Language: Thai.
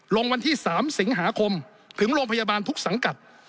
วันที่๓สิงหาคมถึงโรงพยาบาลทุกสังกัด